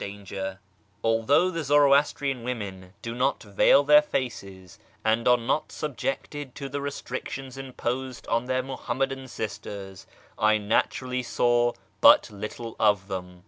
382 A YEAR AMONGST THE PERSIANS Although the Zoroastrian women do not veil their faces, niKi are not subjected to the restrictions imposed on their Muluunmadan sisters, I naturally saw but little of them.